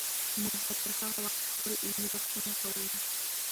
موږ به تر هغه وخته پورې علمي بحثونه کوو.